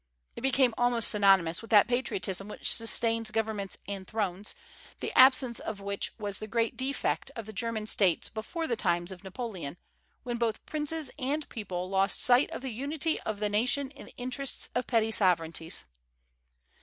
It became almost synonymous with that patriotism which sustains governments and thrones, the absence of which was the great defect of the German States before the times of Napoleon, when both princes and people lost sight of the unity of the nation in the interests of petty sovereignties.